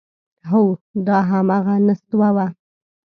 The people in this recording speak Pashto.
هو، دا همغه نستوه و…